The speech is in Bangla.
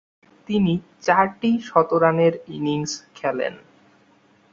তিনি চারটি শতরানের ইনিংস খেলেন।